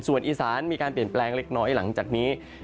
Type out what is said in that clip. ส่วนอีสานมีการเปลี่ยนแปลงเล็กน้อยหลังจากนี้